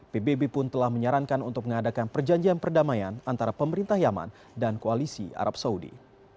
pbb pun telah menyarankan untuk mengadakan perjanjian perdamaian antara pemerintah yaman dan koalisi arab saudi